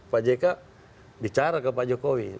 pak jk bicara ke pak jokowi